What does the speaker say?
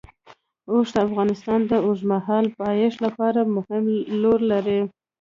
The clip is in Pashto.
اوښ د افغانستان د اوږدمهاله پایښت لپاره مهم رول لري.